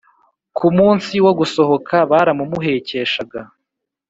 ku munsi wo gusohoka baramumuhekeshaga